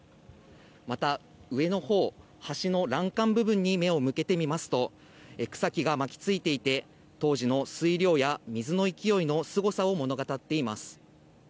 また、上のほう、橋の欄干部分に目を向けてみますと、草木が巻きついていて、当時の水量や水の勢いのすごさを物語っています。